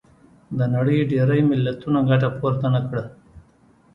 د نړۍ ډېری ملتونو ګټه پورته نه کړه.